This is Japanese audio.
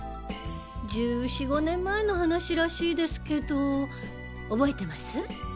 １４１５年前の話らしいですけど覚えてます？